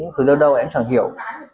lúc đầu em chẳng hiểu